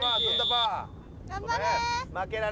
頑張れ！